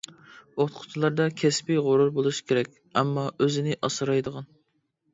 ئوقۇتقۇچىلاردا كەسپىي غۇرۇر بولۇش كېرەك، ئەمما، ئۆزىنى ئاسرايدىغان.